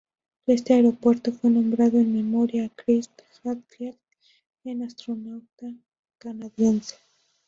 Este aeropuerto fue nombrado en memoria de Chris Hadfield, un astronauta canadiense.